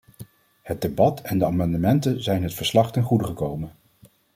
Het debat en de amendementen zijn het verslag ten goede gekomen.